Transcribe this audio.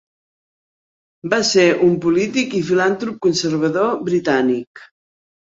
Va ser un polític i filantrop conservador britànic.